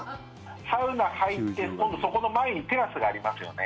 サウナ入って、今度そこの前にテラスがありますよね